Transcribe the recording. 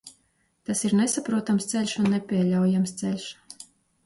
Tas ir nesaprotams ceļš un nepieļaujams ceļš.